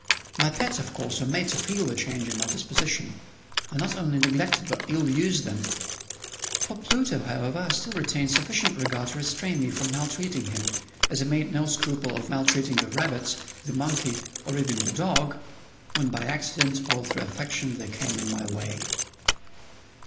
My pets, of course, were made to feel the change in my disposition. I not only neglected, but ill used them. For Pluto, however, I still retained sufficient regard to restrain me from maltreating him, as I made no scruple of maltreating the rabbits, the monkey, or even the dog, when by accident, or through affection, they came in my way.